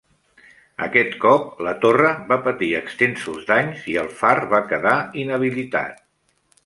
Aquest cop, la torre va patir extensos danys i el far va quedar inhabilitat.